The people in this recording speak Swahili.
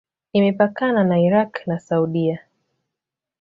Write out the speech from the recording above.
Imepakana na Irak na Saudia.